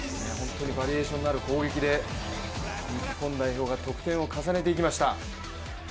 バリエーションのある攻撃で日本代表が得点を重ねていきました。